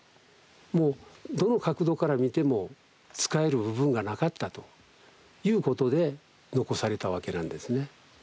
もうどの角度から見ても使える部分がなかったということで残されたわけなんですね。